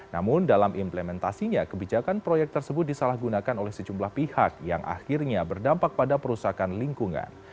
namun dalam implementasinya kebijakan proyek tersebut disalahgunakan oleh sejumlah pihak yang akhirnya berdampak pada perusahaan lingkungan